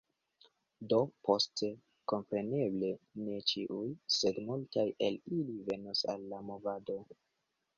Do, poste, kompreneble, ne ĉiuj, sed multaj el ili venos al la movado.